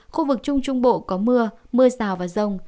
khu vực trung trung bộ có mưa mưa rào và rông